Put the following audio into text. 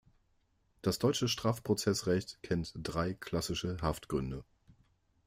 Das deutsche Strafprozessrecht kennt drei „klassische“ Haftgründe.